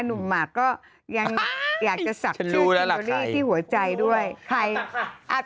หนุ่มหมากก็ยังอยากจะศักดิ์ชื่อที่หัวใจด้วยใครอาจารย์